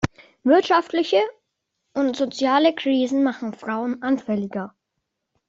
Wirtschaftliche und soziale Krisen machen Frauen anfälliger.